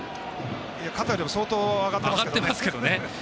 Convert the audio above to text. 肩よりは相当上がってますけどね。